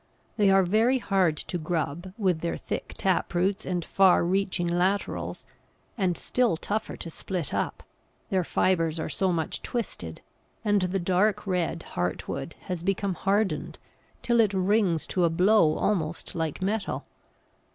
They are very hard to grub, with their thick taproots and far reaching laterals, and still tougher to split up, their fibres are so much twisted, and the dark red heart wood has become hardened till it rings to a blow almost like metal.